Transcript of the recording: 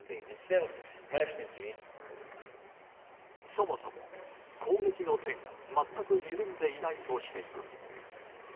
そもそも、攻撃の手が全く緩んでいないとしています。